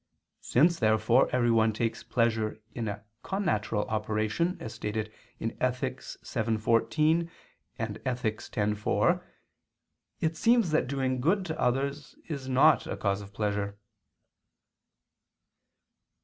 Since therefore everyone takes pleasure in a connatural operation, as stated in Ethic. vii, 14 and x, 4, it seems that doing good to others is not a cause of pleasure.